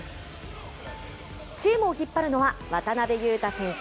チームを引っ張るのは渡邊雄太選手